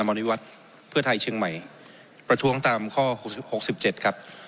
ริวัตรเพื่อไทยเชียงใหม่ประท้วงตามข้อหกสิบเจ็ดครับ